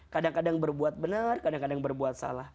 kadang kadang berbuat benar kadang kadang berbuat salah